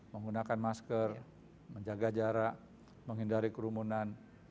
menggunakan masker menjaga jarak menghindari kerumunan